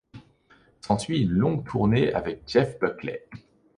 S'ensuit une longue tournée avec Jeff Buckley.